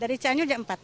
dari cianjur jam empat